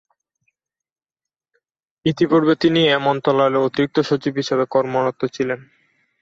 ইতিপূর্বে তিনি এই মন্ত্রণালয়ে অতিরিক্ত সচিব হিসেবে কর্মরত ছিলেন।